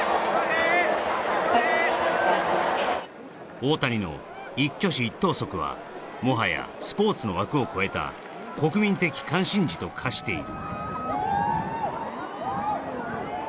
大谷の一挙手一投足はもはやスポーツの枠を超えた国民的関心事と化している。